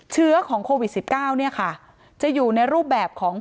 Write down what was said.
เชื้อของโควิด๑๙จะอยู่ในรูปแบบของ